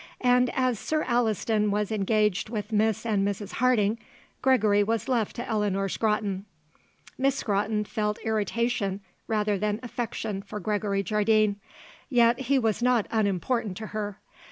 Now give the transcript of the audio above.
And as Sir Alliston was engaged with Miss and Mrs. Harding, Gregory was left to Eleanor Scrotton. Miss Scrotton felt irritation rather than affection for Gregory Jardine. Yet he was not unimportant to her.